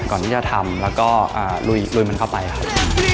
ก่อนที่จะทำแล้วก็ลุยมันเข้าไปครับ